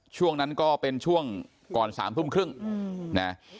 ช่วงนั้นก็เป็นช่วงก่อน๓ทุ่มครึ่งนะ